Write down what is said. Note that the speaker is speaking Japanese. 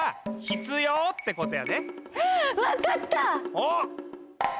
おっ！